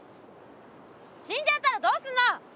死んじゃったらどうすんの！